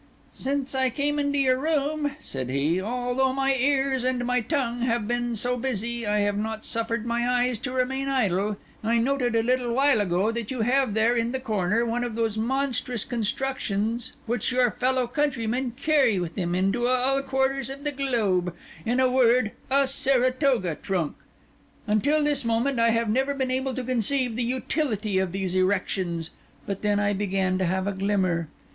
"Since I came into your room," said he, "although my ears and my tongue have been so busy, I have not suffered my eyes to remain idle. I noted a little while ago that you have there, in the corner, one of those monstrous constructions which your fellow countrymen carry with them into all quarters of the globe—in a word, a Saratoga trunk. Until this moment I have never been able to conceive the utility of these erections; but then I began to have a glimmer.